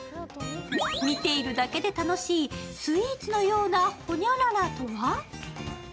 見ているだけで楽しいスイーツのようなホニャララとは？